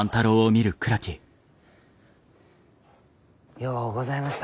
ようございました。